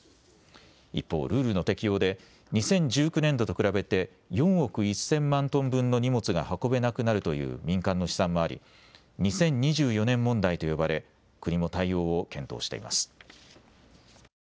一方、ルールの適用で２０１９年度と比べて４億１０００万トン分の荷物が運べなくなるという民間の試算もあり２０２４年問題と呼ばれ国も対応を検討しています。